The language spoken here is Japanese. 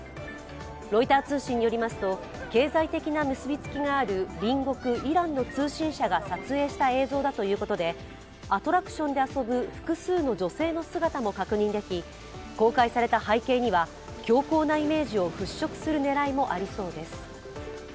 ロイター通信によりますと経済的な結びつきがある隣国イランの通信社が撮影した映像だということでアトラクションで遊ぶ複数の女性の姿も確認でき、公開された背景には、強硬なイメージを払拭する狙いもありそうです。